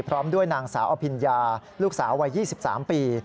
พร้อมด้วยนางสาวอภิญญาลูกสาววัย๒๓ปี